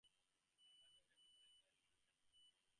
Subgenres of contemporary literature include contemporary romance.